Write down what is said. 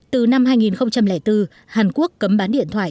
từ năm hai nghìn bốn hàn quốc cấm bán điện thoại